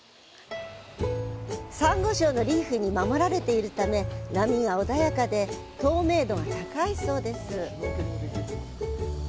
サンゴ礁のリーフに守られているため波が穏やかで透明度が高いそうです。